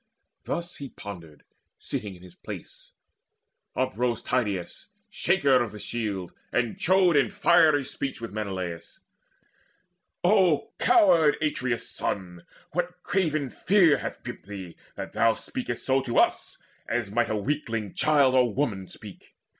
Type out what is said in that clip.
Thus as he pondered, sitting in his place, Uprose Tydeides, shaker of the shield, And chode in fiery speech with Menelaus: "O coward Atreus' son, what craven fear Hath gripped thee, that thou speakest so to us As might a weakling child or woman speak?